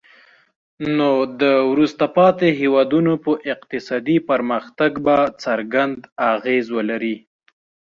نو د وروسته پاتې هیوادونو په اقتصادي پرمختګ به څرګند اغیز ولري.